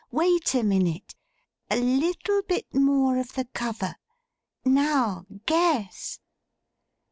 Wait a minute! A little bit more of the cover. Now guess!